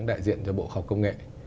đại diện cho bộ khóa công nghệ